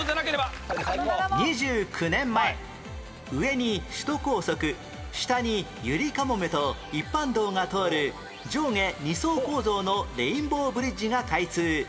２９年前上に首都高速下にゆりかもめと一般道が通る上下２層構造のレインボーブリッジが開通